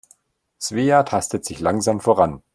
Svea tastet sich langsam voran.